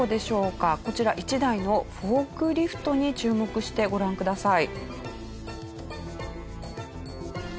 こちら１台のフォークリフトに注目してご覧ください。